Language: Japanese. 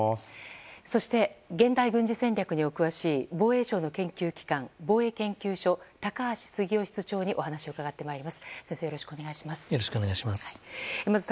そして、現代軍事戦略にお詳しい防衛省の研究機関防衛研究所、高橋杉雄室長にお話を伺ってまいります。